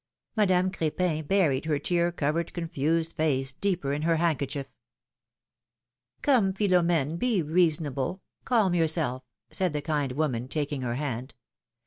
Madame Crepin buried her tear covered, confused face deeper in her handkerchief. ^^Come, Philom^ne, be reasonable; calm yourself,^^ said the kind woman, taking her hand.